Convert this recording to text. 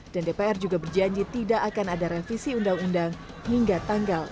dan dpr juga berjanji tidak akan ada revisi undang undang hingga tanggal dua puluh empat september